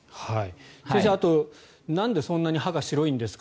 先生、あとなんでそんなに歯が白いんですか？